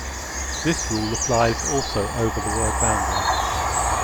This rule applies also over the word boundary.